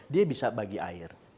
dia bisa bagi air